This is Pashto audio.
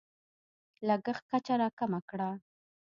لګښت کچه راکمه کړه.